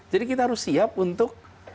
jadi kita harus siap untuk